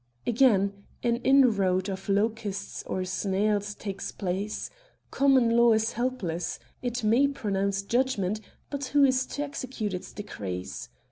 Again : an inroad of locusts or snails takes place. Common law is helpless, it may pronounce judgment, but who is to execute its decrees?